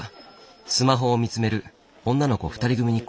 スマホを見つめる女の子２人組に声をかけた。